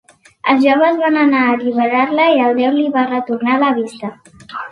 Els joves van anar a alliberar-la i el déu li va retornar la vista.